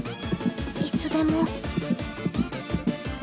いつでも。